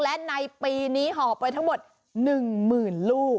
และในปีนี้ห่อไปทั้งหมด๑๐๐๐ลูก